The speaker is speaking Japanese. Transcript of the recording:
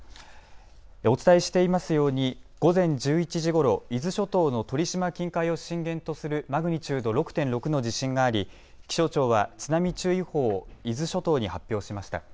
お伝えしていますように午前１１時ごろ、伊豆諸島の鳥島近海を震源とするマグニチュード６．６の地震があり、気象庁は津波注意報を伊豆諸島に発表しました。